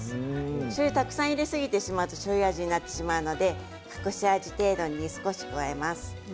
しょうゆをたくさん入れすぎてしまうとしょうゆ味になってしまいますので隠し味程度に少し加えます。